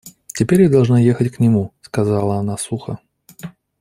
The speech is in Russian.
Теперь я должна ехать к нему, — сказала она сухо.